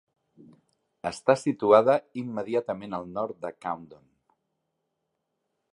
Està situada immediatament al nord de Coundon.